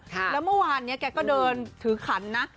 แล้วเมื่อวานนี้แกก็เดินถือขันนะ